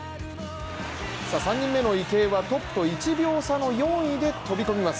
３年目の池江はトップと１秒差の４位で飛び込みます。